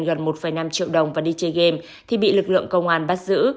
tài sản gần một năm triệu đồng và đi chơi game thì bị lực lượng công an bắt giữ